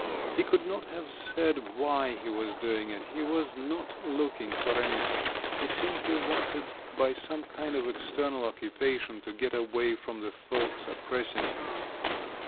He could not have said why he was doing it; he was not looking for anything—he simply wanted by some kind of external occupation to get away from the thoughts oppressing him.